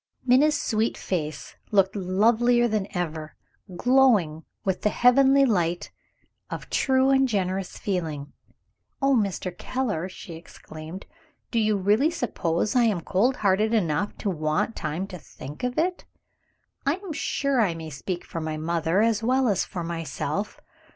Minna's sweet face looked lovelier than ever, glowing with the heavenly light of true and generous feeling. "Oh, Mr. Keller!" she exclaimed, "do you really suppose I am cold hearted enough to want time to think of it? I am sure I may speak for my mother, as well as for myself.